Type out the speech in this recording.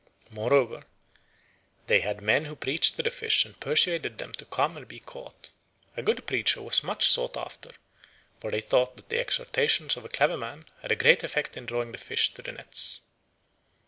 Moreover, they had men who preached to the fish and persuaded them to come and be caught. A good preacher was much sought after, for they thought that the exhortations of a clever man had a great effect in drawing the fish to the nets.